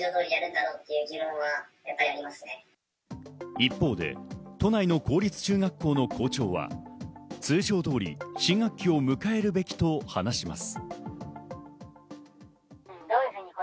一方で都内の公立中学校の校長は通常通り新学期を迎えるべきと話します。